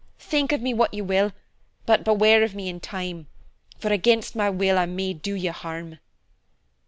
Think of me what you will, but beware of me in time, for against my will I may do you harm."